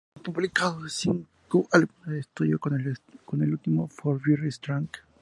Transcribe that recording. Han publicado cinco álbumes de estudio con el último, Four Year Strong.